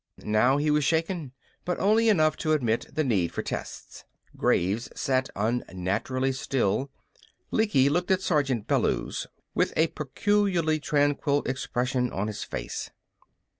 Now he was shaken, but only enough to admit the need for tests. Graves sat unnaturally still. Lecky looked at Sergeant Bellews with a peculiarly tranquil expression on his face.